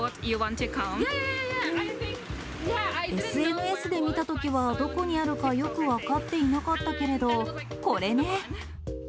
ＳＮＳで見たときはどこにあるかよく分かっていなかったけれど、これね。